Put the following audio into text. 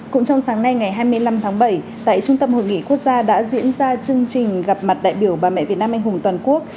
cũng trong sáng nay ngày hai mươi năm tháng bảy tại trung tâm hội nghị quốc gia đã diễn ra chương trình gặp mặt đại biểu bà mẹ việt nam anh hùng toàn quốc